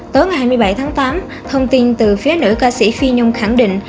tối ngày hai mươi bảy tháng tám thông tin từ phía nữ ca sĩ phi nhung khẳng định